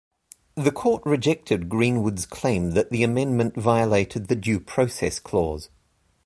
The Court rejected Greenwood's claim that the amendment violated the Due Process Clause.